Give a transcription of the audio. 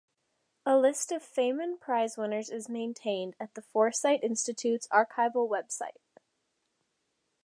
A list of Feyman Prizewinners is maintained at the Foresight Institute's archival website.